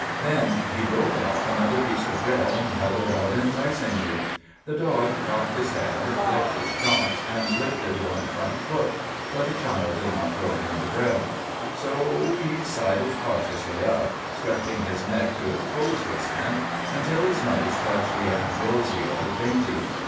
Then he broke off another piece of bread and held it out enticingly. The dog cocked his head, licked his chops, and lifted one front foot, but the child did not throw him the bread. So he sidled cautiously up, stretching his neck to its fullest extent, until his nose touched the ambrosial dainty.